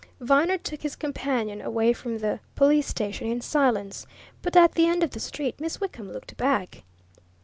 Viner took his companion away from the police station in silence. But at the end of the street Miss Wickham looked back.